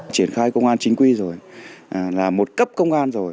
triển khai công an chính quy rồi là một cấp công an rồi